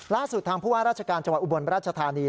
ล่าสุดทางผู้ว่าราชการจังหวัดอุบลราชธานี